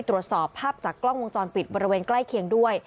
ตรวจสอบภาพจากกล้องวงจรปิดบริเวณใกล้เคียงด้วย